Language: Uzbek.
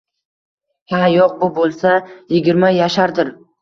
Ha, yo`q, bu bo`lsa yigirma yashardir